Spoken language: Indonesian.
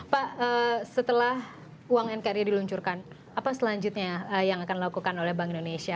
pak setelah uang nkri diluncurkan apa selanjutnya yang akan dilakukan oleh bank indonesia